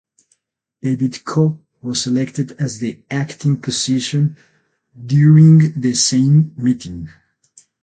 David Koh was elected as the acting position during the same meeting.